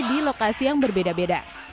di lokasi yang berbeda beda